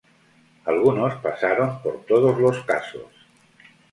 Algunos pasaron por todos los casos.